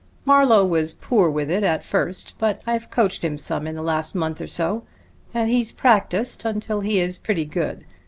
"Marlowe was poor with it at first, but I've coached him some in the last month or so, and he's practised until he is pretty good.